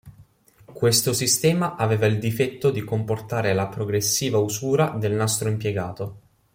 Questo sistema aveva il difetto di comportare la progressiva usura del nastro impiegato.